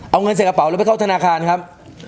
เอาเงินใส่กระเป๋าแล้วไปเข้าธนาคารครับ